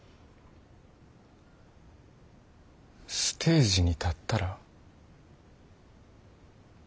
ステージに立ったら？